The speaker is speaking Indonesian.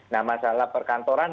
nah masalah perkantoran